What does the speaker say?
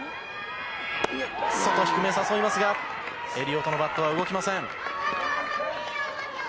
外低め、誘いますが、エリオトのバットは動きません。